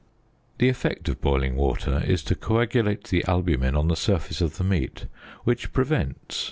The effect of boiling water is to coagulate the albumen on the surface of the meat, which prevents.